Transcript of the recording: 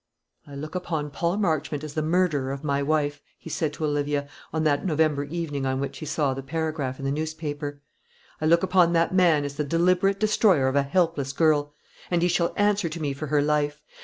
"I look upon Paul Marchmont as the murderer of my wife," he said to Olivia, on that November evening on which he saw the paragraph in the newspaper; "I look upon that man as the deliberate destroyer of a helpless girl; and he shall answer to me for her life.